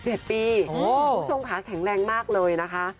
คุณผู้ชมค่ะแข็งแรงมากเลยนะคะ